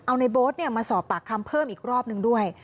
เอาในโบ๊ทมาสอบปากคำเพิ่มอีกรอบนึงด้วย